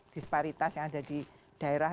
disparitas yang ada di daerah